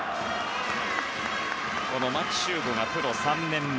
この牧秀悟がプロ３年目。